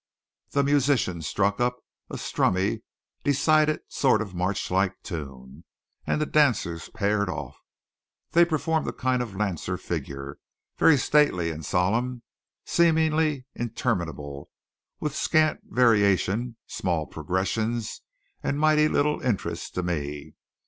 The musicians struck up a strummy, decided sort of marchlike tune; and the dancers paired off. They performed a kind of lancer figure, very stately and solemn, seemingly interminable, with scant variation, small progressions, and mighty little interest to me.